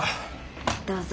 どうぞ。